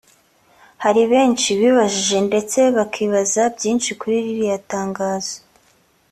Hari benshi bibajije ndetse bakibaza byinshi kuri ririya tangazo